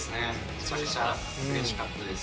めちゃくちゃうれしかったです。